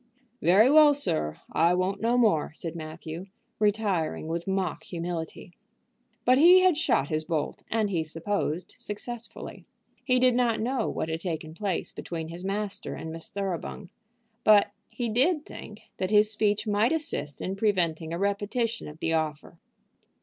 "Very well, sir; I won't no more," said Matthew, retiring with mock humility. But he had shot his bolt, and he supposed successfully. He did not know what had taken place between his master and Miss Thoroughbung; but he did think that his speech might assist in preventing a repetition of the offer.